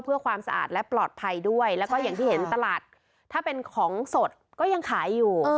เพื่อความสะอาดและปลอดภัยด้วยแล้วก็อย่างที่เห็นตลาดถ้าเป็นของสดก็ยังขายอยู่